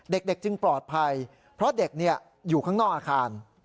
เด็กจึงปลอดภัยเพราะเด็กอยู่ข้างนอกอาคาร